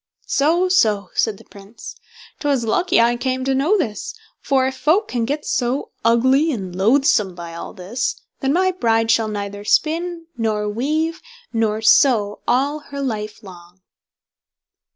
"So! so! "said the Prince, "'twas lucky I came to know this; for if folk can get so ugly and loathsome by all this, then my bride shall neither spin, nor weave, nor sew all her life long."